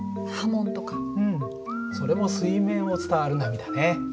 それも水面を伝わる波だね。